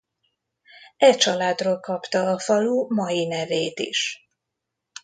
E családról kapta a falu mai nevét is.